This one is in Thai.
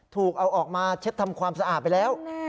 ถูกเอาออกมาเช็ดทำความสะอาดไปแล้ว